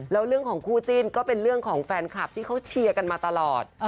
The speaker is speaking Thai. แล้วเรื่องของคู่จิ้นก็เป็นเรื่องของแฟนคลับที่เขาเชียร์กันมาตลอด